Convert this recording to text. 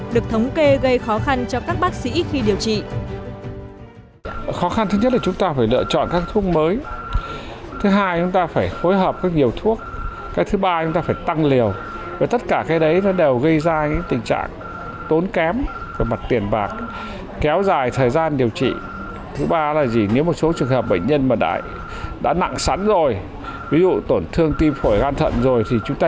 được thống kê gây khó khăn cho các bác sĩ khi điều trị